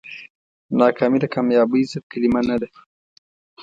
ناکامي د کامیابۍ ضد کلمه نه ده.